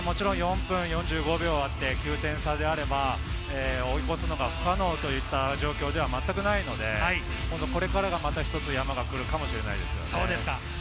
残り４分４５秒あって９点差であれば、追い越すのが不可能という状況ではまったくないので、これからがまた一つ、山が来るかもしれませんね。